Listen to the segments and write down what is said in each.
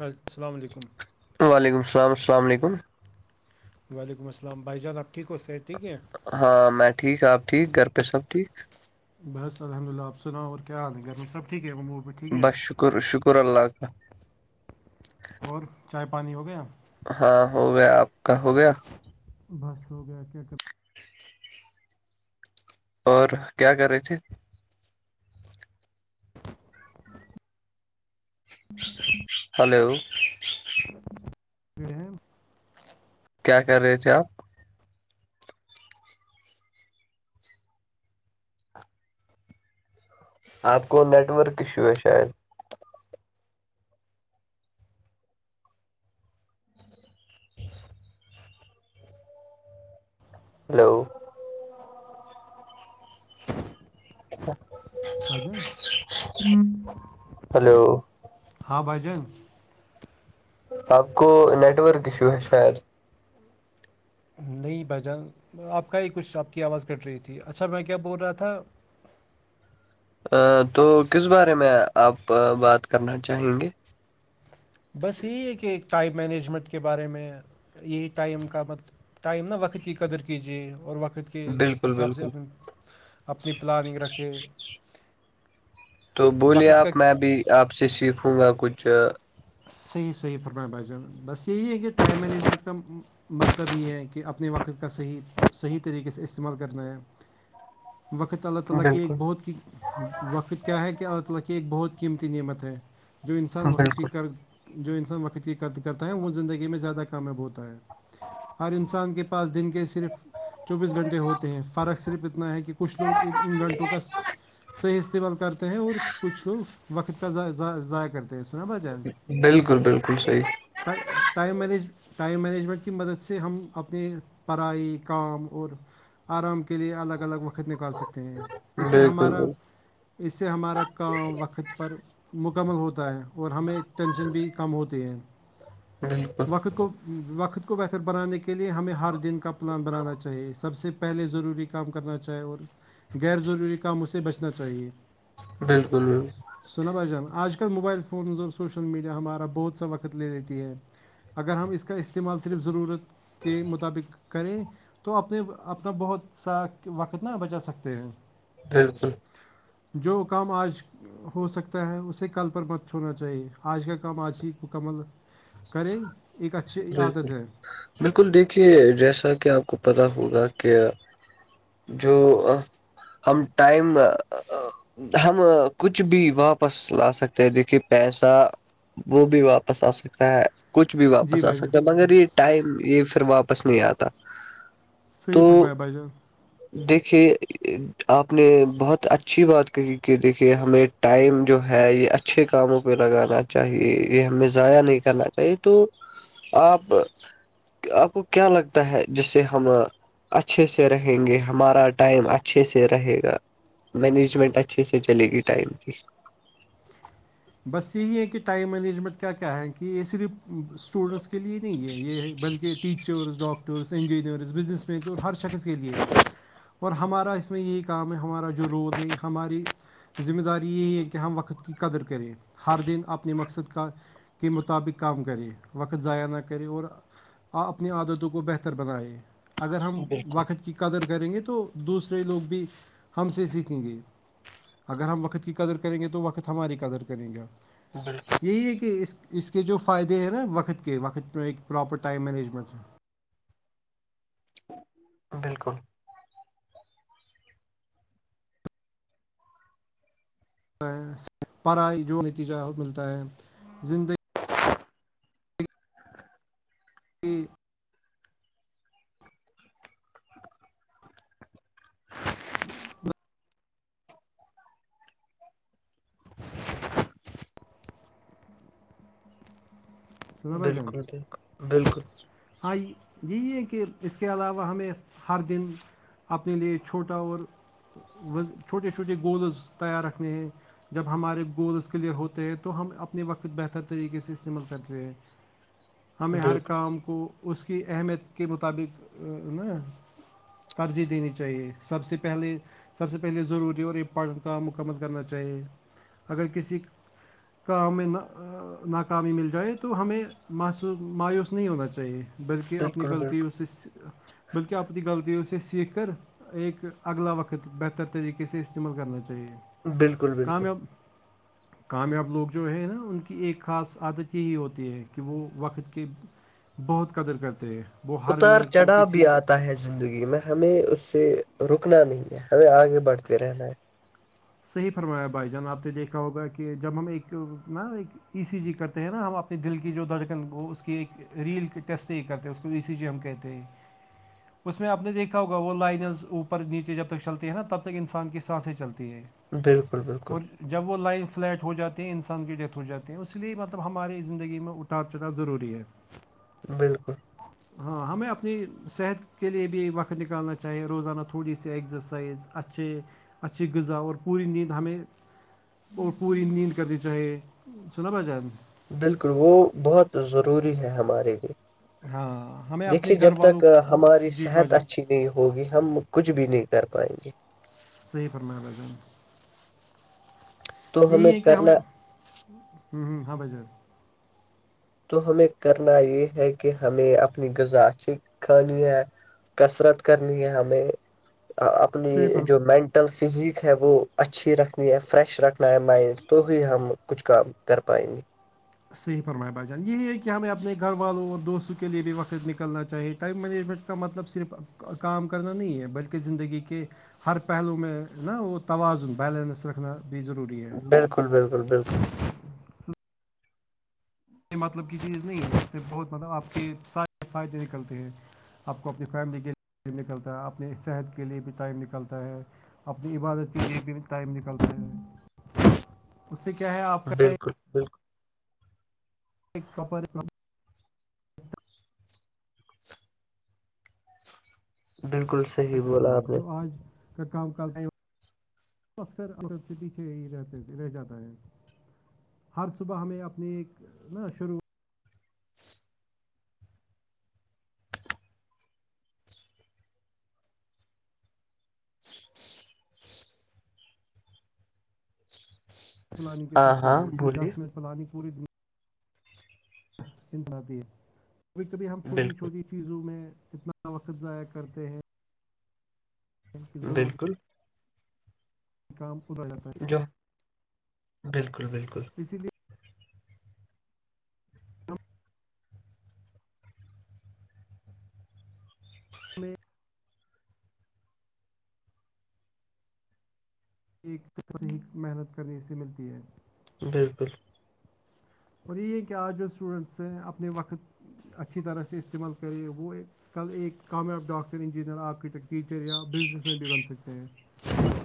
السلام علیکم وعلیکم السلام السلام علیکم وعلیکم السل بھائی جان آ ھیک ہو صح ٹھیک ہیں ہاں میں ٹھیک آپ ٹھیک گھر پہ سب ٹھیک بس الحمد للہ آپ سنا اور کیا حال ہے کریں سبٹیک ہے موٹ بس شکر شکر اللہ کاال اور چائے پانی ہو گیا ہاں ہو گیا آپ کا ہو گیا بس ہو گیا کیا کرتے اور کیا کر رہے تھے ہلو رم کیا کر رہے تھے آپ آپ کو نیٹ ورک ایشو ہے شاید ہلو اچھ بجان ہلو ہاں بجان آپ کو نیٹ ورک ایشو ہے شاید نہیں بھائی جان آپ کا ہی کچھ آپ کی آواز کٹ رہی تھی اچھا میں کیا بول رہا تھا تو کس بارے میں آپ بات کرنا چاہیں گے بس یہی ہے کہ ایک ٹائپ مینجمنٹ کے بارے میں یہی ٹائم کا مط ٹائم نا وقت کی قدر کیجیے اور وقت کے بالکل حساب سے بالکل اپنی اپنی پلاننگ رکھے تو بولیے وقت آپ کا میں بھی آپ سے سیکھوں گا کچھ صحیح صحیح پرم بچا بس یہی ہے کہ ٹائم مینیجمنٹ کا مطلب یہ ہے کہ اپنے وقت کا صحیح صحیح طریقے سے استعمال کرنا ہے وقت اللہ تعالی کی ایک بالکل بہت کی وقت کیا ہے کہ اللہ تعالی کی ایک بہت قیمتی نعمت ہے جو انسان وقت کی بالکل اور جو انسان وقت کی قد کرتا ہے وہ زندگی میں زیادہ کامیاب ہوتا ہے ہر انسان کے پاس دن کے صرف چوبیس گھنٹے ہوتے ہیں فرق صرف اتنا ہے کہ کچھ لوگ ان گھنٹوں کا صحیح استعمال کرتے ہیں اور کچھ لوگ وقت ضائع کرتے ہیں سنا ب جان بالکل بالکل صحیح ائم دی ٹائم مینجمنٹ کی مدد سے ہم اپنے پڑائی کام اور آرام کے لیئے الگ الگ وقت نکال سکتے ہیں اس سے بالکل ہمارا اس سے ہمارا کام وقت پر مکمل ہوتا ہے اور ہم ٹینشن بھی کم ہوتے ہیں بالکل وقت کو وقت کو بہتر بنانے کے لیے ہمیں ہر دن کا پلان بنانا چاہیے سب سے پہلے ضروری کام کرنا چاہے اور غیر ضروری کاموں سے بچنا چاہیے بالکل سنا بھائی جان آج کل موبائل فونز اور سوشل میڈیا ہمارا بہت سا وقت لے لیتی ہے اگر ہم اس کا استعمال صرف ضرورت کے مطابق کریں تو اپنے اپنا بہت سا وقت نہ بچا سکتے ہیں بالکل جو کام آج ہو سکتا ہے اسے کل پر مت چھوڑنا چاہیے آج کا کام آج ہی مکمل کریں ایک اچھی بالکل عادت ہے بالکل دیکھیے جیسا کہ آپ کو پتا ہوگا کہ جو ہم ٹائم ہم کچھ بھی واپس لا سکتے ہیں دیکھیے پیسہ وہ بھی واپس آ سکے ستا کچھ بھی جی واپس آ بھائی جان سکتا مگر یہ ٹائم یہ پھر واپس نہیں آتا صحیح تو فرمایا بھائی جان دیکھیے آپ نے بہت اچھی بات کہی کہ دیکھیے ہمیں ٹائم جو ہے یہ اچھے کاموں پہ لگانا چاہیے یہ ہمیں ضائع نہیں کرنا چاہیے تو آپ آپ کو کیا لگتا ہے جس سے ہم اچھے سے رہیں گے ہمارا ٹائم اچھے سے رہے گا مینجمنٹ اچھے سے چلے گی ٹائم کی بس یہی ہے کہ ٹائم مینجمنٹ کیا کیا ہے کہ یہ صرف اسٹوڈینٹس کے لیے نہیں ہے یہ ہے بلکہ ٹیچر چر ڈاکٹرس انجینئرز بزنس مینس اور ہر شخص کے لیے ہیں اور ہمارا اس میں یہی کام ہے ہمارا جو رول ہے ہماری ذمہ داری یہی ہے کہ ہم وقت کی قدر کریں ہر دن اپنے مقصد کا کے مطابق کام کرے وقت ضائع نہ کرے اور آ اپنی عادتوں کو بہتر بنائے اگر ہم بالکل وقت کی قدر کریں گے تو دوسرے لوگ بھی ہم سے سیکھیں گے اگر ہم وقت کی قدر کریں گے تو وقت ہماری قدر کریں گے بالکل یہی ہے کہ اس اس کے جو فائدے ہیں نا وقت کے وقت میں ایک پراپر ٹائم مینجمنٹ سے بالکل پرائی جو نتیجہ ہے وہ ملتا ہے زندگی ہاں سنا بھائی جان بالکل بالکل بالکل ہاں یہی ہے کہ اس کے علاوہ ہمیں ہر دن اپنے لیے چھوٹا اورز چھوٹے چھوٹے گولز تیار رکھنے ہیں جب ہمارے گولس کلیئر ہوتے ہیں تو ہم اپنے وقت بہتر طریقے سے استعمال کرتے سے بالکل بالکل ہمیں ہر بالکل کام کو اس کی اہمیت کے مطابق ن ترجیح دینی چاہیے سب سے پہلے سب سے پہلے ضروری اور امپورٹنٹ کام مکمل کرنا چاہیے اگر کسی کام میں ناکامی مل جائے تو ہمیں مایوس نہیں ہونا چاہیے بلکہ اپنی بالکل غلطی بالکل اس سے بلکہ اپپنی غطی اس سیکھ کر ایک اگلا وقت بہتر طریقے سے استعمال کرنا چاہیے بالکل بالکل کامیاب کامیاب لوگ جو ہیں نا ان کی ایک خاص عادت یہی ہوتی ہے کہ وہ وقت کی بہت قدر کرتے ہیں وہ ہر اتار منٹ کو چڑھا بھی کسی آتا ہے زندگی میں ہمیں اس سے رکنا نہیں ہے ہمیں آگے بڑھتے رہنا ہے صحیح فرمایا بھائی جان آپ نے دیکھا ہوگا کہ جب ہم ایک نا ایک اسی جیز کرتے ہیں نا ہم اپنی دل کی جو دھڑکن اس کی ایک ریل ٹیسٹ ہی کرتے ہیں اس کو وی سی جی ہم کہتے ہیں اس میں آ نے دیکھا ہوگا وہ لائنز اوپر نیچے جب تک چلتی ہیں نا تب ایک انسان کی سانس ہی چلتی ہے بالکل بالکل اور جب وہ لائن فلیٹ ہو جاتی ہیں انسان کی ڈیتھ ہو جاتی ہیں اس لیے مطلب ہماراری زندگی میں اٹتار چڑنا ضروری ہے ج بالکل ھم ہاں ہمیں اپنی صحت کے لیے بھی وقت نکالنا چاہیے روزانہ تھوڑی سی ایکزرسائز اچا اچھے اچھی غذا اور پوری نیند ہمیں اور پوری نیند کرنی چاہیے سناو ب جائے بالکل وہ بہت ضروری ہے ہمارے لیے ہاں ہمیں اپنے دیکھیے گھر جب والوں تک کو ہماری جی بھائی صحت جان اچھی نہیں ہوگی ہم کچھ بھی نہیں کر پائیں گے صحیح فرم جان تو یہی ہے کہ کرنا ہمیں ہوں ہ ہاں ب جےز تو ہمیں کرنا یہ ہے کہ ہمیں اپنی غذا اچھی کانی ہے کسرت کرنی ہے ہمیں اپنی صحیح فرم جو مین ٹل فزیک ہے وہ اچھی رکھنی ہے فریش رکھنا ہے مائنڈ تو ہی ہم کچھ کام کر پائیں گے صحیح فرمائے با جان یہی ہے کہ ہمیں اپنے گھر والوں اور دوستوں کے لیے بھی وقت نکلنا چاہیے ٹائم مینجمنٹ کا مطلب صرف کام کرنا نہیں ہے بلکہ زندگی کے ہر پہلو میں نا وہ توازن بیلنس رکھنا بھی ضروری ہے بالکل بالکل بالکل مطلب کی چیز نہیں ہے بہت مطلب آپ کے سار فائدے نکلتے ہیں آپ کو اپنی فیملی کے لیےم نکلتا ہے اپنی صحت کے لیے بھی ٹائم نکلتا ہے اپنی عبادت کے لیے بھی ٹائم نکالتے ہیں اس سے کیا ہے آپ کا بالکل بالکل ایک کپڑ بالکل صحیح کرتا بولا ہے آپ نے جو آج کا کامتے اکثرٹی سے ہی رہتے رہ جاتا ہے ہر صبح ہمیں اپنی ایک نا شروع پلانگ کے ہاں سات کر ج ہاں گے صرف بولیے دس منٹ پلانن پوری دن تناتی ہے کبھی کبھی ہم چھوٹی بالکل چھوٹی چیزوں میں اتنا وقت ضائع کرتے ہیں کہ ضروری بالکل کام ادتا ہے جو بالکل بالکل پیسی ڈی ہمیں ایک صیح محنت کرنے سے ملتی ہے بالکل اور یہ ہے کہ آج جو اسٹوڈنٹس ہیں اپنے وقت اچھی طرح سے استعمال کرے وہ کل ایک کامیاب ڈاکٹر انجینئر آرکیٹیکٹر ٹیچر یا بزنس مین بھی بن سکتے ہیں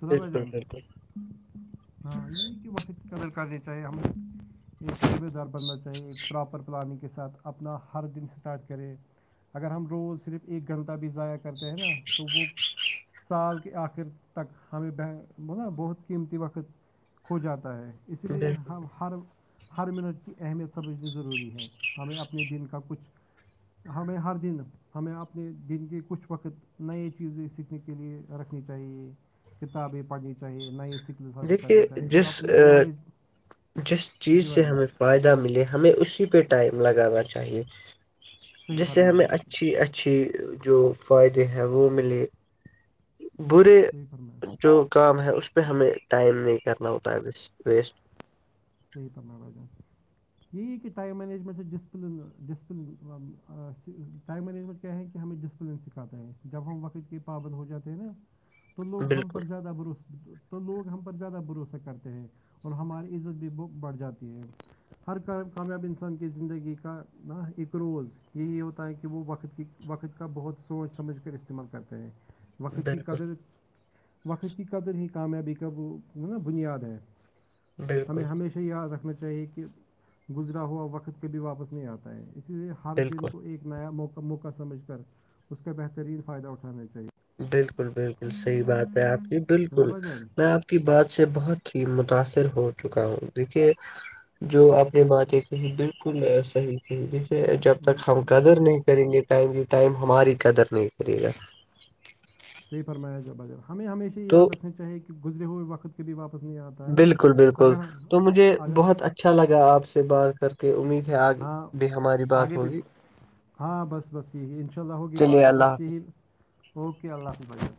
سنا بھائی جانا جچ وقت قدل کری چاہے ہم دار بننا چاہیے ایک پراپر پلاننگ کے ساتھ اپنا ہر دن اسٹارٹ کرے اگر ہم روز صرف ایک گھنٹہ بھی ضائع کرتے ہیں نا تو وہ سال کے آخر تک ہمیں ب بہت قیمتی وقت کھو جاتا ہے اس لیے بالکل ہم ہر ہر منٹ کی اہمیت سمجھنی ضروری ہے ہمیں اپنے دن کا کچھ ہمیں ہر دن ہمیں اپنے دن کے کچھ وقت نئے چیزیں سیکھنے کے لیے رکھنی چاہیے کتابیں پڑھنی چاہیے نہ ہی سکلس حاصل کرنی دیکھیے چاہیے اور جس اپنی نالج جس چیز جی سے بھائی جان ہمیں فائدہ ملے ہمیں اسی پہ ٹائم لگانا چاہیئے صحیح جس سے فرمایا ہمیں بھائی جان اچھی اچھی اچھی جو فائدے ہیں وہ ملے برے صحیح پرنامپ جو کام ہے اس پہ ہمیں ٹائم نہیں کرنا ہوتا ہے ویسٹ صحیح پم بجان یہ کہ ائم مینیجمینٹ سے ڈسپلن ڈسپلن ٹائم مینجمنٹ کیا ہے کہ ہمیں ڈسپلین سکھاتا ہے جب ہم وقت کے پابند ہو جاتے نا تو لوگ ہم بالکل پر زیادہ بھروس تو لوگ ہم پر زیادہ بھروسہ کرتے ہیں اور ہماری عزت بھی ب بڑھ جاتی ہے ہر کا کامیاب انسان کی زندگی کا ن ایک روز یہی ہوتا ہے کہ وہ وقت کی وقت کا بہت سوچ سمجھ کر استعمال کرتے ہیں وقت کی بالکل قدر وقت کی قدر ہی کامیابی کا وہ نا بنیاد ہے ہمیں بالکل ہمیشہ یاد رکھنا چاہیے کہ گزرا ہوا وقت کبھی واپس نہیں آتا ہے اس ہر دن بالکل کو ایک نیا موقع سمجھ کر اس کا بہترین فائدہ اٹھانا چاہیے بالکل بالکل صحیح بات ہے آپ کی سنا بالکل بھجن میں آپ کی بات سے بہت ہی متاثر ہو چکا ہوں دیکھیے جو آپ نے باتیں کہ بالکل صحیح ج دیکھیے جب تک ہم قدر نہیں کریں گے ٹائم ٹائم ہماری قدر نہیں کرے گا صحی فرمایا جائے باجب ہمیں ہمیشہ یہ تو یاد رکھنا چاہے کہ گزرے ہوئے وقت بھی واپس نہیں آتا ہے بالکل بالکل اگر تو مجھے اگر بہت اچھا لگا آپ سے بات کر کے امید ہے آگ ہاں بھی ہماری بات آگے بھی ہوگی ہاں بس بس یہی ان شاء اللہ ہوگی چلیے بات اللہ بس حافظ یہی اوکے اللہ حاف بھائی